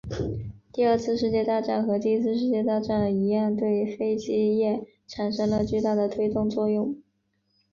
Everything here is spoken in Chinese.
第二次世界大战和第一次世界大战一样对飞机业产生了巨大的推动作用。